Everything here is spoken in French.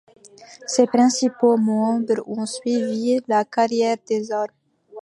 Ses principaux membres ont suivi la carrière des armes.